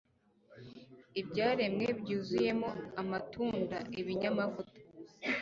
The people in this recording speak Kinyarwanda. Ibyaremwe byuzuyemo amatunda, ibinyamavuta,